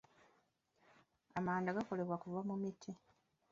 Amanda gakolebwa kuva mu miti.